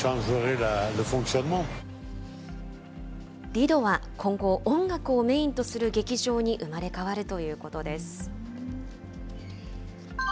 リドは今後、音楽をメインとする劇場に生まれ変わるということです。